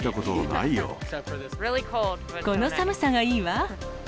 この寒さがいいわ。